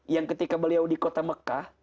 yang ketika beliau di kota mekah